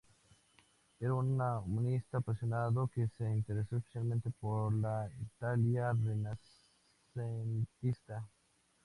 Era un humanista apasionado, que se interesó especialmente por la Italia renacentista.